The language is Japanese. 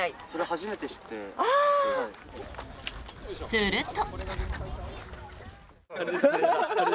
すると。